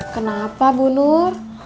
kenapa bu nur